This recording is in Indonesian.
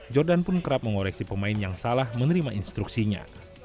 jordan pun kerap mengoreksi pemain yang salah menerima instruksinya